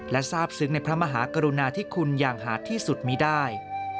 และทราบซึ้งในพระมหากรุณาธิคุณอย่างหาดที่สุดมีได้